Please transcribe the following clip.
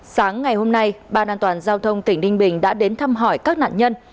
sáng ngày hôm nay ban an toàn giao thông tỉnh ninh bình đã đến thăm hỏi các nạn nhân